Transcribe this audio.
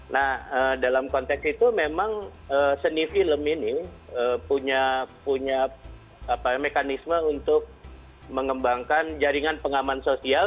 nah dalam konteks itu memang seni film ini punya mekanisme untuk mengembangkan jaringan pengaman sosial